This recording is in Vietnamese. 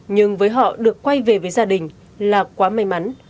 nhưng với họ được quay về với gia đình là quá may mắn